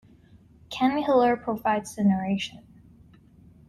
Ken Hiller provides the narration.